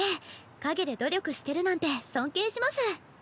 陰で努力してるなんて尊敬します。